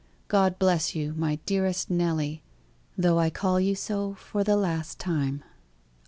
God bless you, my dearest Nelly, though I call you so for the last time.